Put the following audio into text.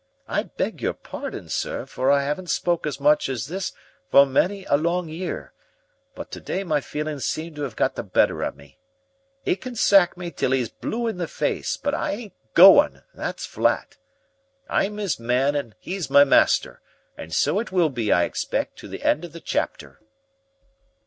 I beg your pardon, sir, for I haven't spoke as much as this for many a long year, but to day my feelings seem to 'ave got the better of me. 'E can sack me till 'e's blue in the face, but I ain't going, and that's flat. I'm 'is man and 'e's my master, and so it will be, I expect, to the end of the chapter."